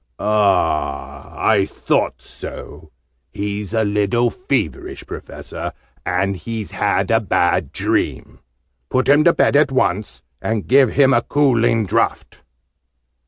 Ah, I thought so! He's a little feverish, Professor, and has had a bad dream. Put him to bed at once, and give him a cooling draught."